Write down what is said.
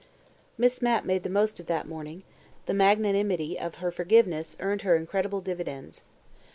Miss Mapp made the most of that morning; the magnanimity of her forgiveness earned her incredible dividends.